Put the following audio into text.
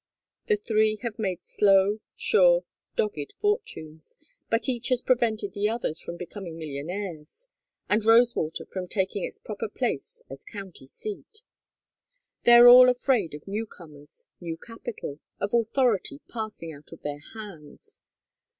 The three have made slow, sure, dogged fortunes, but each has prevented the others from becoming millionaires, and Rosewater from taking its proper place as county seat. And they are all afraid of new comers, new capital, of authority passing out of their hands.